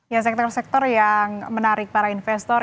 ya sektor sektor yang menarik para investor